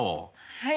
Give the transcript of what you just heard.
はい。